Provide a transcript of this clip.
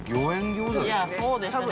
いやそうですね。